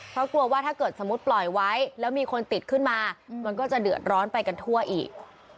เพราะกลัวว่าถ้าเกิดสมมุติปล่อยไว้แล้วมีคนติดขึ้นมามันก็จะเดือดร้อนไปกันทั่วอีก